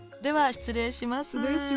失礼します。